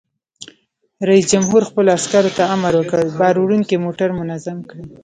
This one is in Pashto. رئیس جمهور خپلو عسکرو ته امر وکړ؛ بار وړونکي موټر منظم کړئ!